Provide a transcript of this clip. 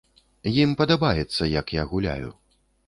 Ім падабаецца, як я гуляю.